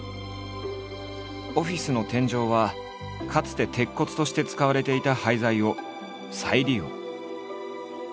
オフィスの天井はかつて鉄骨として使われていた廃材を再利用。